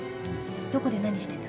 どこで何してた？